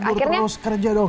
tidur terus kerja dong